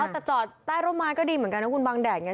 แต่จอดใต้ร่มไม้ก็ดีเหมือนกันนะคุณบางแดดไง